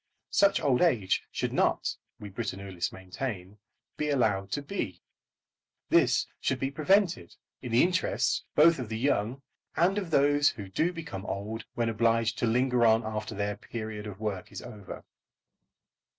Such old age should not, we Britannulists maintain, be allowed to be. This should be prevented, in the interests both of the young and of those who do become old when obliged to linger on after their "period" of work is over.